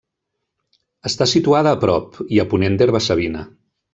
Està situada a prop i a ponent d'Herba-savina.